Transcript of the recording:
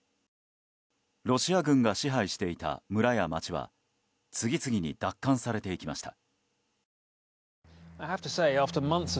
ロシア軍が支配していた村や町は次々に奪還されていきました。